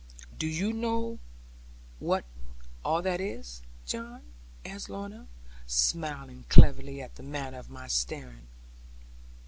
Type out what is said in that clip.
'Do you know what all that is, John?' asked Lorna, smiling cleverly at the manner of my staring.